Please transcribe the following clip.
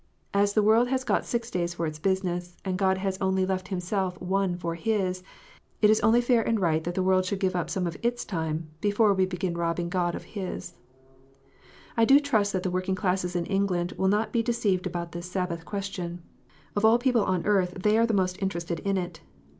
As the world has got six days for its business, and God has only left Himself one for His, it is only fair and right that the world should give up some of its time, before we begin robbing God of His, I do trust that the working classes in England will not be deceived about this Sabbath question. Of all people on earth they are the most interested in it.